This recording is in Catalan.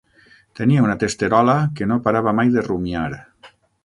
Tenia una testerola que no parava mai de rumiar.